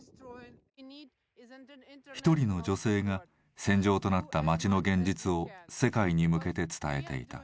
１人の女性が戦場となった街の現実を世界に向けて伝えていた。